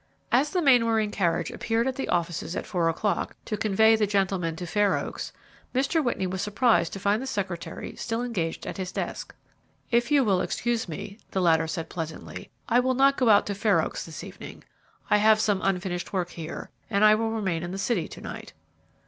As the Mainwaring carriage appeared at the offices at four o'clock, to convey the gentlemen to Fair Oaks, Mr. Whitney was surprised to find the secretary still engaged at his desk. "If you will excuse me," the latter said, pleasantly, "I will not go out to Fair Oaks this evening. I have some unfinished work here, and I will remain in the city to night."